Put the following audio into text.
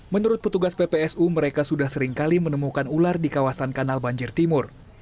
menurut petugas ppsu mereka sudah seringkali menemukan ular di kawasan kanal banjir timur